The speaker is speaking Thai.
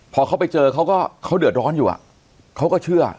พอเขาไปเจอเขาก็เขาเดือดร้อนอยู่เขาก็เชื่อ